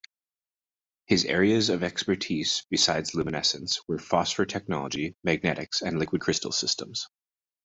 His areas of expertise, besides luminescence, were phosphor technology, magnetics and liquid crystal systems.